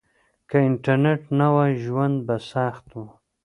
که انټرنيټ نه وای ژوند به سخت و.